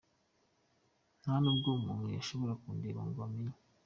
Nta nubwo umuntu yashobora kundeba ngo amenye.